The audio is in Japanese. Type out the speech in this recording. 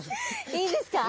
いいですか？